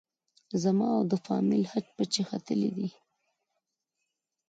زما او فامیل حج پچې ختلې دي.